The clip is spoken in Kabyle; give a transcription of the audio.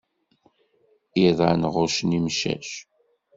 Iḍan ɣuccen imcac.